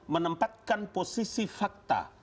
menempatkan posisi fakta